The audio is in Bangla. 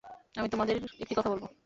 আমি তোমাদের একটি কথা বলব।